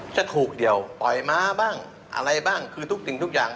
จะถูกเดี่ยวปล่อยม้าบ้างอะไรบ้างคือทุกสิ่งทุกอย่าง